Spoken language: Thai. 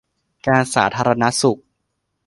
การสาธารณสุข